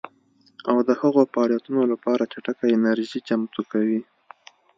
او د هغو فعالیتونو لپاره چټکه انرژي چمتو کوي